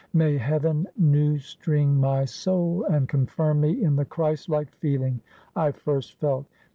May heaven new string my soul, and confirm me in the Christ like feeling I first felt.